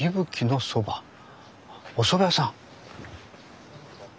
おそば屋さん。